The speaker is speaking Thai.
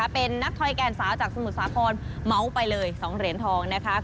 เป็นนักถอยแกนสาวจากสมุทรสาครเมาส์ไปเลย๒เหรียญทองนะคะ